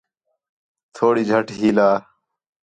تھوڑی جھٹ ہِیلا